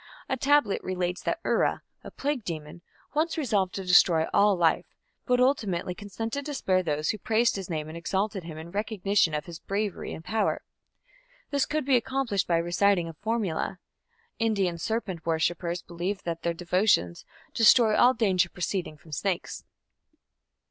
A tablet relates that Ura, a plague demon, once resolved to destroy all life, but ultimately consented to spare those who praised his name and exalted him in recognition of his bravery and power. This could be accomplished by reciting a formula. Indian serpent worshippers believe that their devotions "destroy all danger proceeding from snakes".